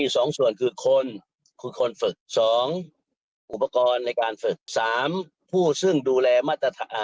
สองส่วนคือคนคือคนฝึก๒อุปกรณ์ในการฝึก๓ผู้ซึ่งดูแลมาตรฐาน